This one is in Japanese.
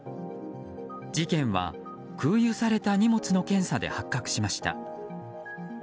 事件は、空輸された荷物の検査で発覚しました。